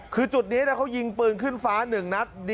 คือจุดนี้เขายิงปืนขึ้นฟ้า๑นัด